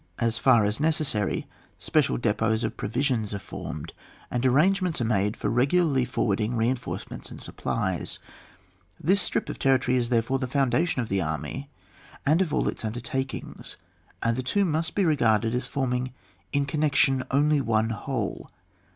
BASF OF OPERATIONa. 66 far as necessary, special depots of pro Tisions are formed, and arrangements are made for regpilarly forwarding rein forcements and supplies. This strip of territory is therefore the foundation of the army and of all its undertakings, and the two must be regarded as form ing in connection only one whole.